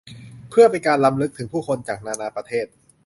เพื่อเป็นการรำลึกถึงผู้คนจากนานาประเทศ